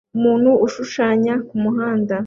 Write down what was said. Umuntu ushushanya kumuhanda